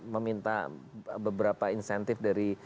meminta beberapa insentif